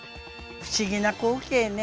不思議な光景ね。